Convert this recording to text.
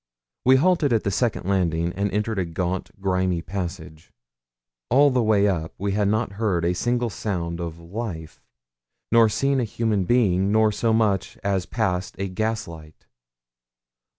We halted at the second landing, and entered a gaunt, grimy passage. All the way up we had not heard a single sound of life, nor seen a human being, nor so much as passed a gaslight.